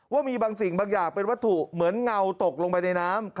ว่ามีบางสิ่งบางอย่างเป็นวัตถุเหมือนเงาตกลงไปในน้ำ